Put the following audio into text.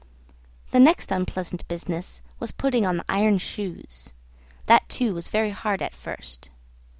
The next unpleasant business was putting on the iron shoes; that too was very hard at first.